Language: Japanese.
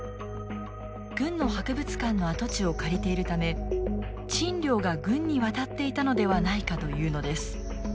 軍の博物館の跡地を借りているため賃料が軍に渡っていたのではないかというのです。